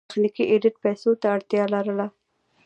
تخنیکي ایډېټ پیسو ته اړتیا لرله.